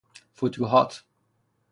فتوحات